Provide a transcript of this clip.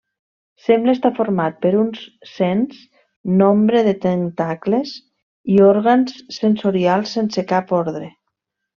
Sembla estar format per un sens nombre de tentacles i òrgans sensorials sense cap ordre.